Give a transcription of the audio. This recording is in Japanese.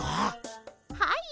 はい。